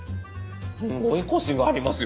すごいコシがありますよ！